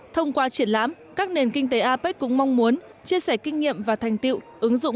thông qua triển lãm các nền kinh tế apec cũng mong muốn chia sẻ kinh nghiệm và thành tiệu ứng dụng